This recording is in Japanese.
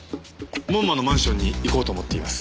門馬のマンションに行こうと思っています。